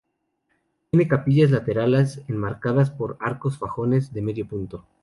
Tiene capillas laterales enmarcadas por arcos fajones de medio punto.